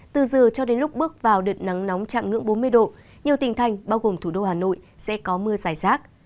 từ giờ cho đến lúc bước vào đợt nắng nóng chạm ngưỡng bốn mươi độ nhiều tỉnh thành bao gồm thủ đô hà nội sẽ có mưa dài rác